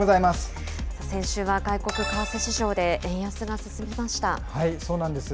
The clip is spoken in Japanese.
先週は外国為替市場で円安がそうなんです。